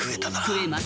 食えます。